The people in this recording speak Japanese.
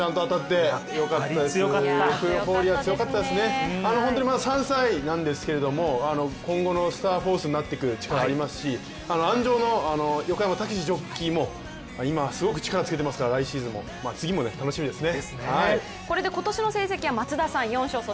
エフフォーリア強かったですねまだ３歳なんですけど今後のスターフォースになっていく力ありますし、あん上の横山武史ジョッキーも、今はすごく力つけてますから、来シーズンも楽しみですね。